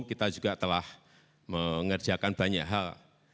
kita juga telah mengerjakan banyak hal